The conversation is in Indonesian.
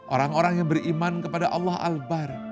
orang orang yang beriman kepada allah al bahr